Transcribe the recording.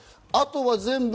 あとは全部。